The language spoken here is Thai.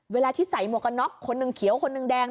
เวลาที่ใส่หมวกกันน็อกคนหนึ่งเขียวคนหนึ่งแดง